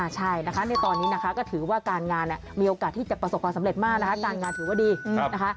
ใช่นะคะในตอนนี้นะคะก็ถือว่าการงานมีโอกาสที่จะประสบความสำเร็จมากนะคะการงานถือว่าดีนะคะ